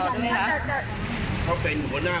อ๋อแต่ยังทำเป็นสอสออยู่แต่เดี๋ยวให้เราออก